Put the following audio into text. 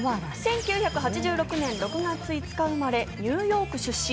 １９８６年６月５日生まれ、ニューヨーク出身。